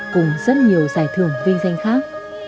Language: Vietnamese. cùng rất nhiều giải thưởng viên danh khác